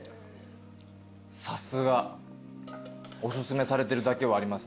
さすがおすすめされてるだけはありますね。